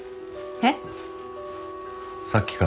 えっ！？